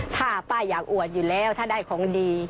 ถ้าป้าอยากอวดอยู่แล้วถ้าได้ของดี